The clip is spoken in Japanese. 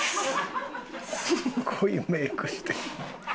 すごいメイクしてる。